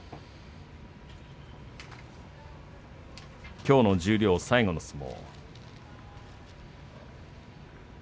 きょうの十両最後の相撲。